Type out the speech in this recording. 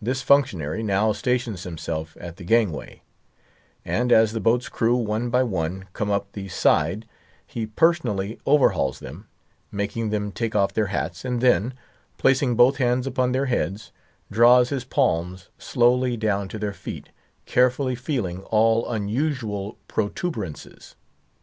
This functionary now stations himself at the gangway, and as the boat's crew, one by one, come up the side, he personally overhauls them, making them take off their hats, and then, placing both hands upon their heads, draws his palms slowly down to their feet, carefully feeling all unusual protuberances.